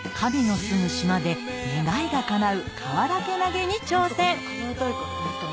で願いがかなうかわらけ投げに挑戦